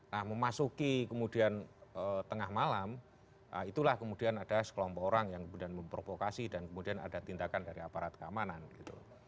nah memasuki kemudian tengah malam itulah kemudian ada sekelompok orang yang kemudian memprovokasi dan kemudian ada tindakan dari aparat keamanan gitu